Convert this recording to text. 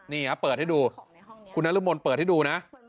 นี่อ่ะเปิดให้ดูคุณน้ารุมมนต์เปิดให้ดูน่ะ